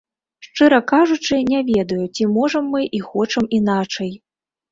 Шчыра кажучы, не ведаю, ці можам мы і хочам іначай.